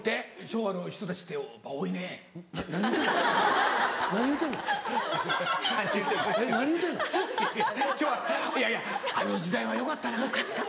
昭和いやいやあの時代はよかったなって。